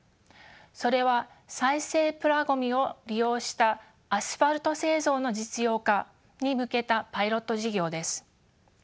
それは再生プラごみを利用したアスファルト製造の実用化に向けたパイロット事業です。